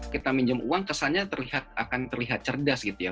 kita minjem uang kesannya terlihat akan terlihat cerdas gitu ya